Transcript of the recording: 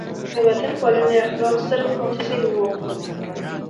د وطن پالنې اخلاق ستر محافظین وو.